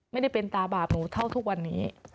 ไม่ได้เป็นตาบาปหนูเท่าทุกวันนี้